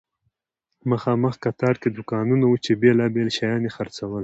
مخامخ قطار کې دوکانونه وو چې بیلابیل شیان یې خرڅول.